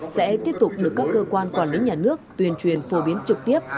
sẽ tiếp tục được các cơ quan quản lý nhà nước tuyên truyền phổ biến trực tiếp